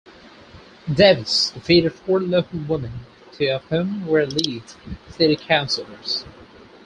Davies defeated four local women, two of whom were Leeds city councillors.